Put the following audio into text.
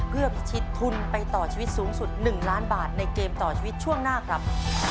เพื่อพิชิตทุนไปต่อชีวิตสูงสุด๑ล้านบาทในเกมต่อชีวิตช่วงหน้าครับ